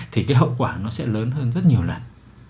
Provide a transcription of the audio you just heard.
thì cái hậu quả nó sẽ lớn hơn rất nhiều lần